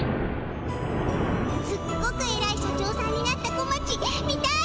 すっごくえらい社長さんになった小町見たい！